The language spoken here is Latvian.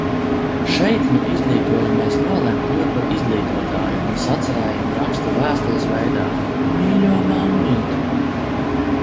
Šeit nu izglītojamais nolemj kļūt par izglītotāju un sacerējumu raksta vēstules veidā: Mīļo, mammīt!